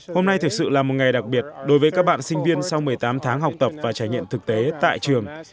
hôm nay thực sự là một ngày đặc biệt đối với các bạn sinh viên sau một mươi tám tháng học tập và trải nghiệm thực tế tại trường